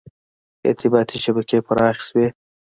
• ارتباطي شبکې پراخې شوې.